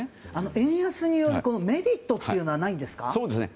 円安によるメリットはないんですか？